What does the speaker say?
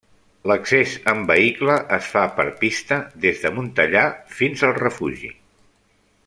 L'accés amb vehicle es fa per pista, des de Montellà, fins al refugi.